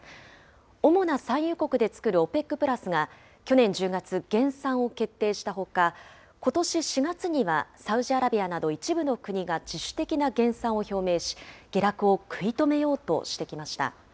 主な産油国で作るＯＰＥＣプラスが去年１０月、減産を決定したほか、ことし４月にはサウジアラビアなど一部の国が自主的な減産を表明し、下落を食い止めようとしてきました。